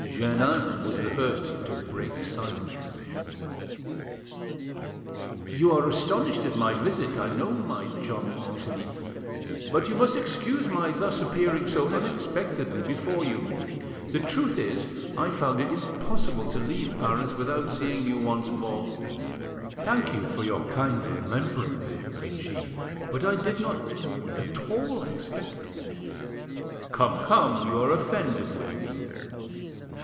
Jeannin was the first to 'break silence. "You are astonished at my visit, I know, my charming Angelique. But you must excuse my thus appearing so unexpectedly before you. The truth is, I found it impossible to leave Paris without seeing you once more." "Thank you for your kind remembrance," said she, "but I did not at all expect it." "Come, come, you are offended with me."